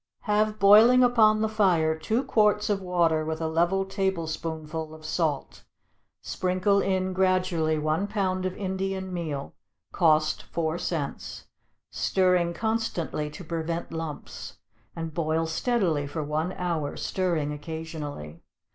= Have boiling upon the fire two quarts of water with a level tablespoonful of salt; sprinkle in gradually one pound of Indian meal, (cost four cents,) stirring constantly to prevent lumps; and boil steadily for one hour, stirring occasionally.